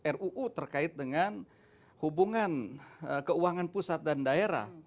ruu terkait dengan hubungan keuangan pusat dan daerah